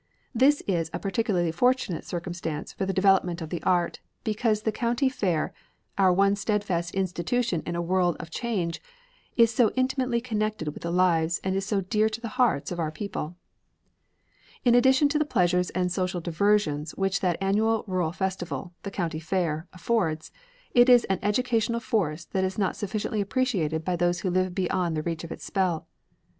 This is a particularly fortunate circumstance for the development of the art, because the county fair, "our one steadfast institution in a world of change," is so intimately connected with the lives and is so dear to the hearts of our people. [Illustration: QUILTS ON A LINE] [Illustration: GRAPES AND VINES] In addition to the pleasures and social diversions which that annual rural festival the county fair affords, it is an educational force that is not sufficiently appreciated by those who live beyond the reach of its spell.